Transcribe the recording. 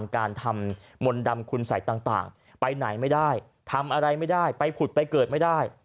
การทำมนต์ดำคุณสัยต่างไปไหนไม่ได้ทำอะไรไม่ได้ไปผุดไปเกิดไม่ได้